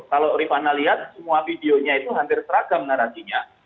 kalau rifana lihat semua videonya itu hampir seragam narasinya